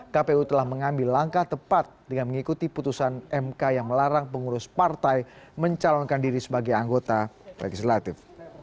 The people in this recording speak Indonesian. kpu telah mengambil langkah tepat dengan mengikuti putusan mk yang melarang pengurus partai mencalonkan diri sebagai anggota legislatif